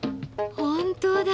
本当だ。